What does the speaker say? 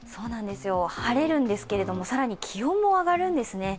晴れるんですけど、更に気温も上がるんですね。